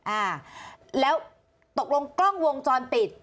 อ่าแล้วตกลงกล้องวงจรปิด